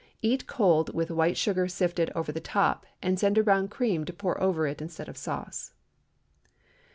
Eat cold, with white sugar sifted over the top, and send around cream to pour over it instead of sauce.